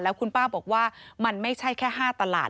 คุณป้าบอกว่ามันไม่ใช่แค่๕ตลาด